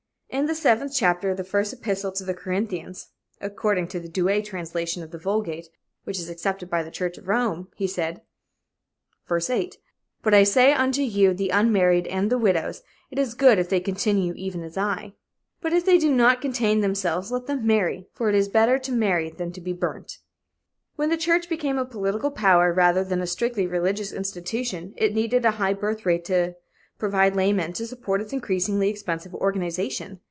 In the seventh chapter of the First Epistle to the Corinthians (according to the Douay translation of the Vulgate, which is accepted by the Church of Rome), he said: "8 But I say unto you the unmarried and the widows; it is good if they continue even as I. "9 But if they do not contain themselves, let them marry, for it is better to marry than to be burnt." When the church became a political power rather than a strictly religious institution, it needed a high birth rate to provide laymen to support its increasingly expensive organization.